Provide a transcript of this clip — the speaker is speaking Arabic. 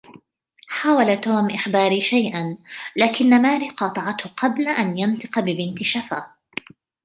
حاول توم إخباري شيئًا، لكنّ ماري قاطعته قبل أن ينطق ببنت شفة.